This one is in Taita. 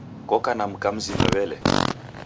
Koka na mka mzima wele?